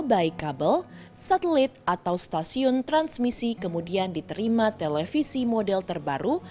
baik kabel satelit atau stasiun transmisi kemudian diterima televisi model terbaru